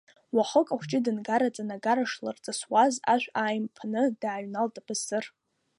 Уахык ахәҷы дынгараҵан, агара шлырҵысуаз ашә ааимԥааны дааҩналт Басыр.